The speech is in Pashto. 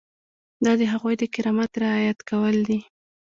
دا د هغوی د کرامت رعایت کول دي.